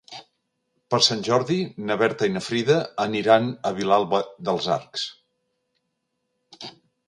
Per Sant Jordi na Berta i na Frida aniran a Vilalba dels Arcs.